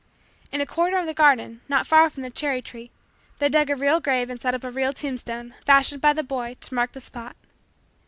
In a corner of the garden, not far from the cherry tree, they dug a real grave and set up a real tombstone, fashioned by the boy, to mark the spot.